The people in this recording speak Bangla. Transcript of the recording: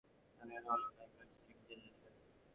যার পূর্ণরূপ হলো নায়াগ্রা স্টিম জেনারেশন।